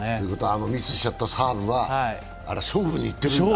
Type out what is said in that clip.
あのミスしちゃったサーブは勝負にいっているんだ。